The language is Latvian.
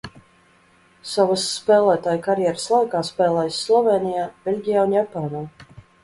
Savas spēlētāja karjeras laikā spēlējis Slovēnija, Beļģijā un Japānā.